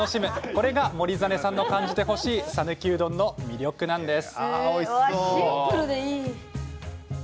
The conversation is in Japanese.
これが守實さんが感じてほしいさぬきうどんの魅力なんです。